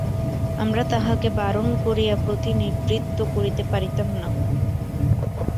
আমরা তাঁহাকে বারণ করিয়া প্রতিনিবৃত্ত করিতে পারিতাম না।